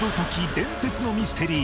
伝説のミステリー』